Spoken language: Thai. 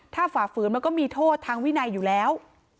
ถ้าฝ่าฝืนมันก็มีโทษทางวินัยอยู่แล้ว